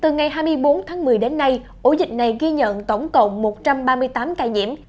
từ ngày hai mươi bốn tháng một mươi đến nay ổ dịch này ghi nhận tổng cộng một trăm ba mươi tám ca nhiễm